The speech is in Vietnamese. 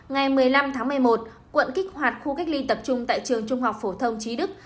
ngày một mươi năm tháng một mươi một quận kích hoạt khu cách ly tập trung tại trường trung học phổ thông trí đức